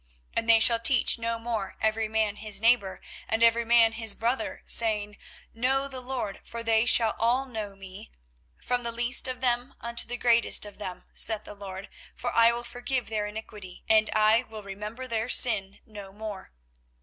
24:031:034 And they shall teach no more every man his neighbour, and every man his brother, saying, Know the LORD: for they shall all know me, from the least of them unto the greatest of them, saith the LORD: for I will forgive their iniquity, and I will remember their sin no more.